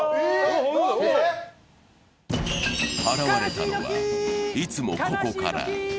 現れたのは、いつもここから。